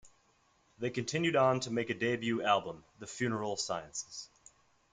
They continued on to make a debut album, "The Funeral Sciences".